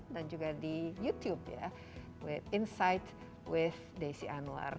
dan juga di youtube insight with desy anwar